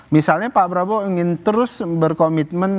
misalnya pak prabowo ingin terus berkomitmen